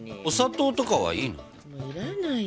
お砂糖とかはいいの？